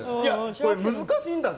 これ難しいんだぜ！